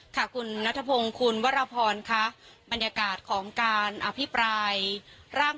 ค่ะคุณนัทพงศ์คุณวรพรค่ะบรรยากาศของการอภิปรายร่าง